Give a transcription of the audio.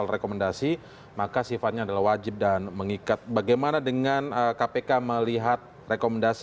rekomendasi maka sifatnya adalah wajib dan mengikat bagaimana dengan kpk melihat rekomendasi